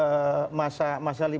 bicara tentang masyarakat